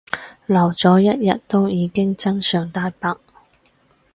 留咗一日都已經真相大白